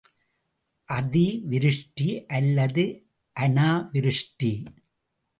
அதி விருஷ்டி, அல்லது அநாவிருஷ்டி.